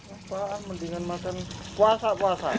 apa mendingan makan puasa puasa